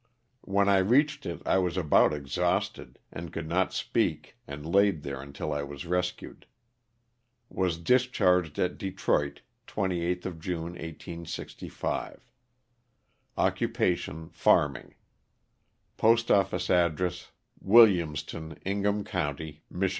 When I reached it I was about exhausted and could not speak and laid there until I was rescued. Was dis charged at Detroit, 28th of June, 1865. Occupation farming. Postoffice address, Williams ton, Ingham county, Mich.